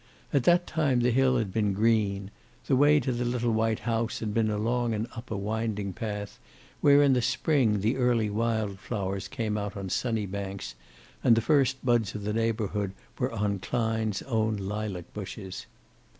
At that time the hill had been green; the way to the little white house had been along and up a winding path, where in the spring the early wild flowers came out on sunny banks, and the first buds of the neighborhood were on Klein's own lilac bushes.